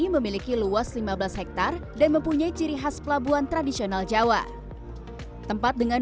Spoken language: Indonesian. memiliki luas lima belas hektare dan mempunyai ciri khas pelabuhan tradisional jawa tempat dengan